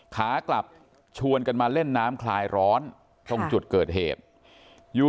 ขากลับชวนกันมาเล่นน้ำคลายร้อนตรงจุดเกิดเหตุอยู่